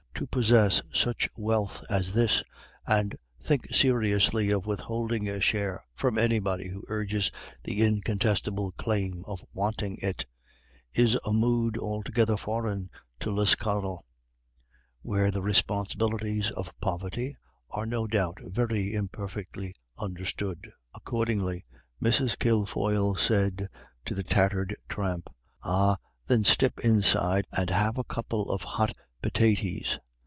To possess such wealth as this, and think seriously of withholding a share from anybody who urges the incontestable claim of wanting it, is a mood altogether foreign to Lisconnel, where the responsibilities of poverty are no doubt very imperfectly understood. Accordingly Mrs. Kilfoyle said to the tattered tramp, "Ah, thin, step inside and have a couple of hot pitaties."